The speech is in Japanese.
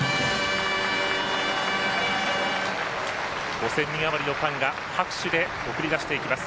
５０００ 人あまりのファンが拍手で送り出していきます。